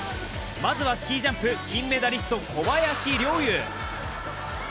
まずは、スキージャンプ金メダリスト、小林陵侑。